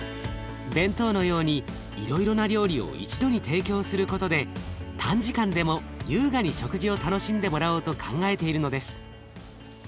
弁当のようにいろいろな料理を一度に提供することで短時間でも優雅に食事を楽しんでもらおうと考えているのです。